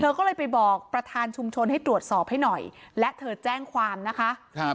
ก็เลยไปบอกประธานชุมชนให้ตรวจสอบให้หน่อยและเธอแจ้งความนะคะครับ